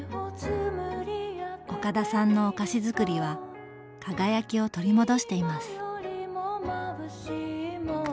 岡田さんのお菓子づくりは輝きを取り戻しています。